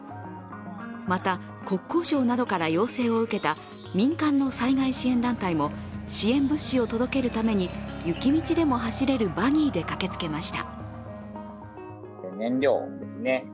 また、国交省などから要請を受けた民間の災害支援団体も支援物資を届けるために、雪道でも走れるバギーで駆けつけました。